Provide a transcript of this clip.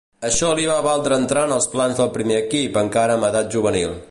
Això li va valdre entrar en els plans del primer equip encara amb edat juvenil.